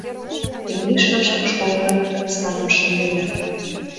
— Тений шыжым школна йыр садым шындена.